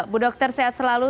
bu dokter sehat selalu